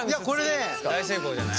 大成功じゃない？